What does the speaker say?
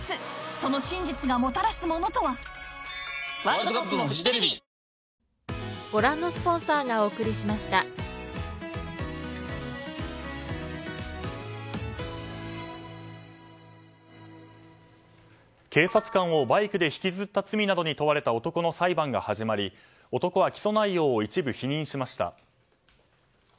カロカロカロカロカロリミット警察官をバイクで引きずった罪などに問われた男の裁判が始まり男は起訴内容を一部否認しました。